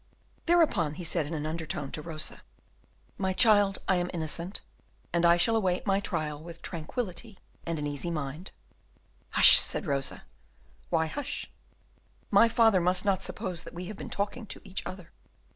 Thereupon, he said in an undertone to Rosa "My child, I am innocent, and I shall await my trial with tranquillity and an easy mind." "Hush," said Rosa. "Why hush?" "My father must not suppose that we have been talking to each other."